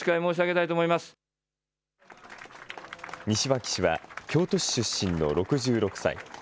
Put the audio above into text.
西脇氏は、京都市出身の６６歳。